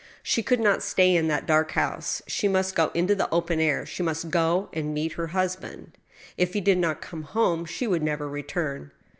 She could not stay in that dark house. She must go into the open air — she must go and meet her husband. If he did not come home, she would never return.